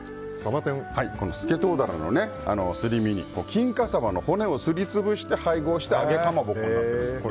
スケトウダラのすり身に金華サバの骨をすりつぶして配合した揚げたものとなっています。